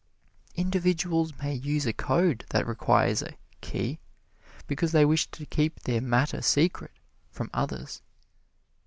Individuals may use a code that requires a "Key," because they wish to keep their matter secret from others.